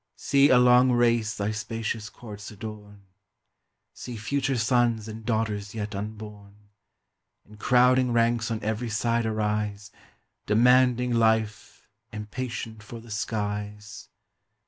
See a long race thy spacious courts adorn: See future sons and daughters yet unborn, In crowding ranks on every side arise, Demanding life, impatient for the skies!